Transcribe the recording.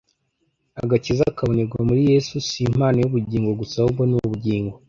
Agakiza kabonerwa muri Yesu si impano y’ubugingo gusa ahubwo ni "ubugingo"